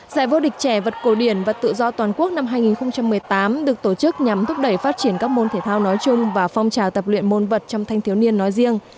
giải vô địch trẻ vật cổ điển vật tự do toàn quốc năm hai nghìn một mươi tám được tổ chức nhằm thúc đẩy phát triển các môn thể thao nói chung và phong trào tập luyện môn vật trong thanh thiếu niên nói riêng